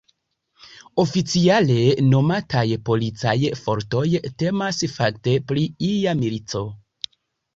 Oficiale nomataj "policaj fortoj", temas fakte pri ia milico.